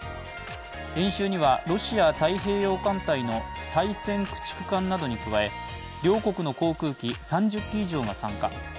演習にはロシア太平洋艦隊の対潜駆逐艦などに加え、両国の航空機３０機以上が参加。